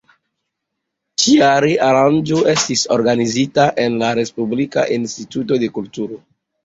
Ĉi-jare aranĝo estis organizita en la Respublika instituto de kulturo.